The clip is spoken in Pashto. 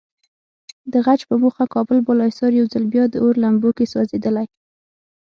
د غچ په موخه کابل بالاحصار یو ځل بیا د اور لمبو کې سوځېدلی.